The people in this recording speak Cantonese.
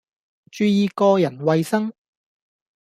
注意個人衛生